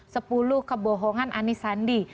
sepuluh kebohongan anis sandi